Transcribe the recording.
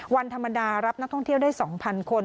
วันธรรมดารับนักท่องเที่ยวได้๒๐๐คน